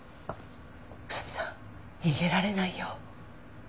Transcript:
宇佐見さん逃げられないよ。